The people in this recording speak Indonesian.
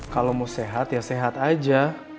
kalau mau sehat ya sehat aja